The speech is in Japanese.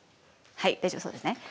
はい大丈夫そうですね。